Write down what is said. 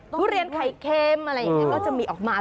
ทุเรียนไข่เค็มอะไรอย่างนี้ก็จะมีออกมา